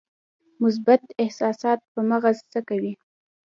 مثبت احساسات په مغز څه کوي؟